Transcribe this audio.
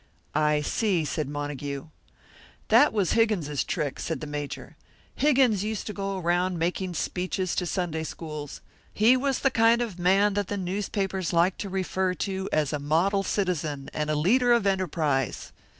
"I see," said Montague. "That was Higgins's trick," said the Major. "Higgins used to go around making speeches to Sunday schools; he was the kind of man that the newspapers like to refer to as a model citizen and a leader of enterprise.